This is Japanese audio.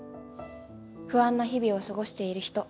不安な日々を過ごしている人